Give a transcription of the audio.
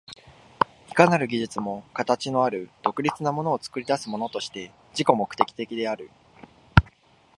いかなる技術も形のある独立なものを作り出すものとして自己目的的である。